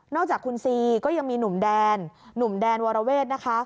จากคุณซีก็ยังมีหนุ่มแดนหนุ่มแดนวรเวทนะคะ